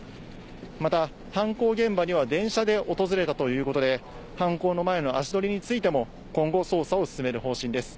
また犯行現場には電車で訪れたということで、犯行の前の足取りについても、今後、捜査を進める方針です。